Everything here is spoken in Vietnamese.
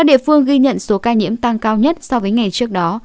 trung bình số ca nhiễm tăng cao nhất so với ngày trước đó